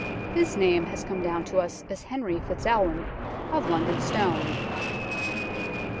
His name has come down to us as Henry FitzAlwin of London Stone.